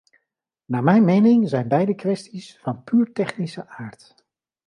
Naar mijn mening zijn beide kwesties van puur technische aard.